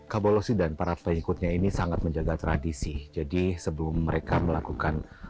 kabolosi dan para pengikutnya ini sangat menjaga tradisi jadi sebelum mereka melakukan